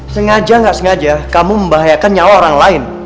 sengaja nggak sengaja kamu membahayakan nyawa orang lain